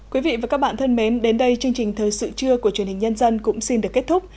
quý vị và các bạn thân mến đến đây chương trình thời sự trưa của truyền hình nhân dân cũng xin được kết thúc